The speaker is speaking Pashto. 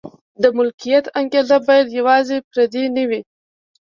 د ملکیت انګېزه باید یوازې فردي نه وي.